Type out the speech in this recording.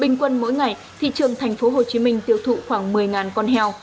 bình quân mỗi ngày thị trường thành phố hồ chí minh tiêu thụ khoảng một mươi con heo